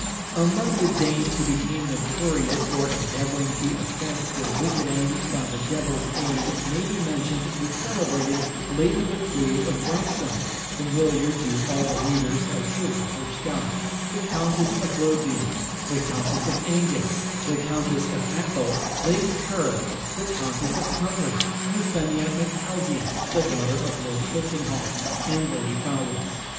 Among the dames who became notorious for endeavouring to effect their wicked ends by the devil's aid may be mentioned the celebrated Lady Buccleugh of Branxholme (familiar to all the readers of Sir Walter Scott), the Countess of Lothian, the Countess of Angus, the Countess of Athol, Lady Kerr, the Countess of Huntley, Euphemia Macalzean (the daughter of Lord Cliftonhall), and Lady Fowlis.